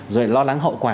rồi lo lắng hậu quả